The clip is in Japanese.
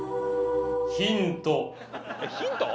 「ヒント」。